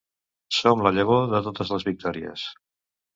Som la llavor de totes les victòries.